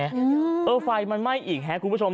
เออไฟมันไหม้อีกครับคุณผู้ชม